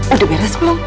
udah beres belum